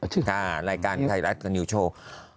รายการไทยรัฐกับนิวโชว์